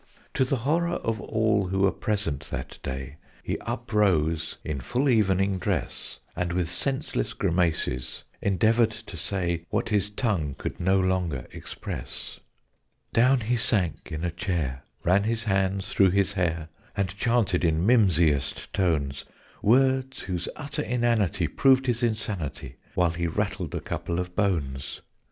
"] To the horror of all who were present that day, He uprose in full evening dress, And with senseless grimaces endeavoured to say What his tongue could no longer express. Down he sank in a chair ran his hands through his hair And chanted in mimsiest tones Words whose utter inanity proved his insanity, While he rattled a couple of bones.